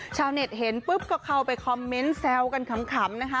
ชาวเน็ตเห็นปุ๊บก็เข้าไปคอมเมนต์แซวกันขำนะคะ